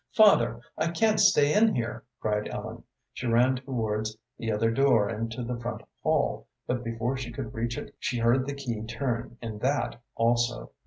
"Father, I can't stay in here," cried Ellen. She ran towards the other door into the front hall, but before she could reach it she heard the key turn in that also.